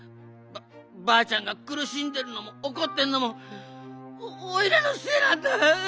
ばあちゃんがくるしんでるのもおこってるのもおいらのせいなんだ！